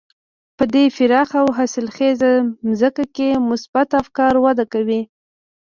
په دې پراخه او حاصلخېزه ځمکه کې مثبت افکار وده کوي.